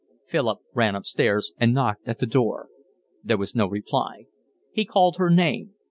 Philip ran upstairs and knocked at the door. There was no reply. He called her name.